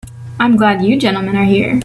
I'm glad you gentlemen are here.